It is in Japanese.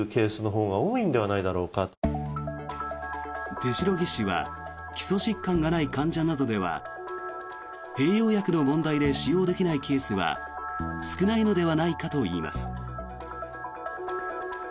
手代木氏は基礎疾患がない患者などでは併用薬の問題で使用できないケースは少ないのではないかといいます。